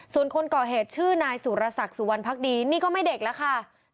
ส่วนคนก่อเหตุชื่อนายสุรศักดิ์สุวรรณภักดีนี่ก็ไม่เด็กแล้วค่ะ